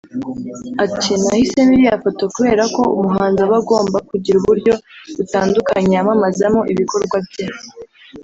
Ati” Nahisemo iriya foto kubera ko umuhanzi aba agomba kugira uburyo butandukanye yamamazamo ibikorwa bye